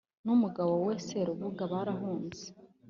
n’umugabo we Seruhuga barahunze